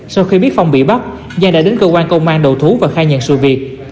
sau khi biết phong bị bắt giang đã đến cơ quan công an đầu thú và khai nhận sự việc